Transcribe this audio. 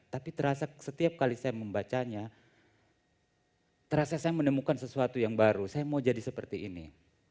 tapi terasa setiap kali saya membacanya terasa saya menemukan sesuatu yang baru saya mau jadi seperti ini